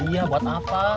iya buat apa